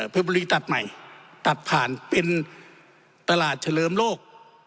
บุรีตัดใหม่ตัดผ่านเป็นตลาดเฉลิมโลก